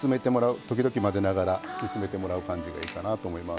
時々混ぜながら煮詰めてもらう感じがいいかなと思います。